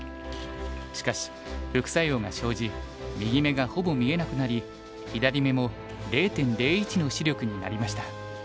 しかし副作用が生じ右目がほぼ見えなくなり左目も０．０１の視力になりました。